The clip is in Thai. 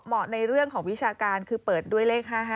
ในเรื่องของวิชาการคือเปิดด้วยเลข๕๕